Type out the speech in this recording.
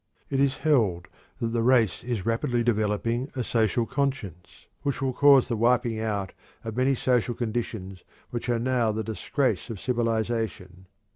It is held that the race is rapidly developing a "social conscience" which will cause the wiping out of many social conditions which are now the disgrace of civilization.